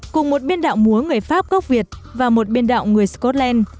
cùng một biên đạo múa người pháp gốc việt và một biên đạo người scotland